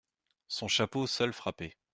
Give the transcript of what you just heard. Son chapeau seul frappait.